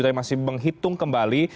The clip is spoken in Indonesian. tapi masih menghitung kembali